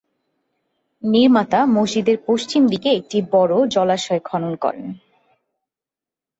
নির্মাতা মসজিদের পশ্চিম দিকে একটি বড় জলাশয় খনন করেন।